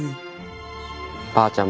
ばあちゃん